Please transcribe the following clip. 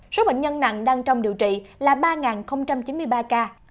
số bệnh nhân nặng đang trong điều trị là ba chín mươi ba ca